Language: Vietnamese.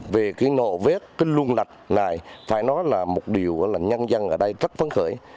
về cái nồ vết cái luồng lạch này phải nói là một điều là nhân dân ở đây rất phấn khởi